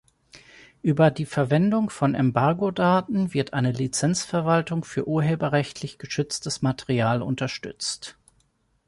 Über die Verwendung von Embargo-Daten wird eine Lizenz-Verwaltung für urheberrechtlich geschütztes Material unterstützt.